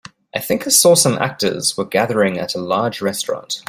I think I saw some actors were gathering at a large restaurant.